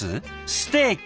ステーキ。